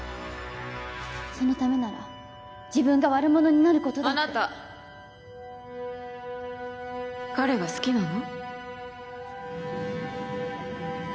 そのためなら自分が悪者になることだってあなた彼が好きなの？